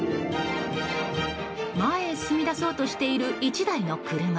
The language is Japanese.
前へ進みだそうとしている１台の車。